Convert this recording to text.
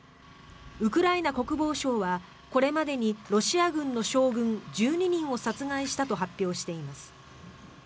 ウクライナ国防省は、これまでにロシア軍の将軍１２人を殺害したと発表しています。